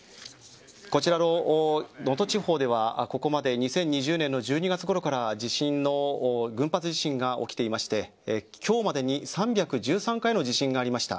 こちらの能登地方では２０２２年の１２月ごろから群発地震が起きていまして今日までに３１３回の地震がありました。